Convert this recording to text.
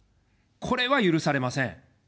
これは許されません。